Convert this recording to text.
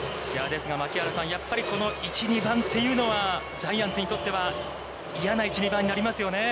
ですが、槙原さん、やっぱりこの１、２番というのは、ジャイアンツにとっては、嫌な１、２番になりますよね。